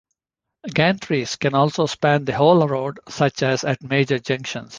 Gantries can also span the whole road, such as at major junctions.